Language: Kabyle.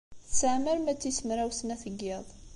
Tesɛam arma d tis mraw snat n yiḍ.